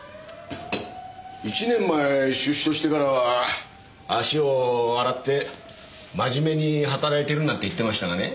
１年前出所してからは足を洗って真面目に働いてるんだって言ってましたがね。